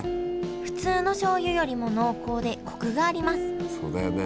普通の醤油よりも濃厚でコクがあります。